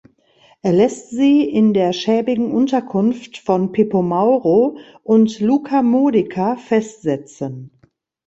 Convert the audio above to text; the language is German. Er lässt sie in der schäbigen Unterkunft von Pippo Mauro und Luca Modica festsetzen.